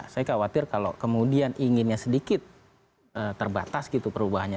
saya khawatir kalau kemudian inginnya sedikit terbatas gitu perubahannya